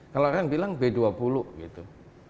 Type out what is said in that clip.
kalau orang bilang b dua puluh gitu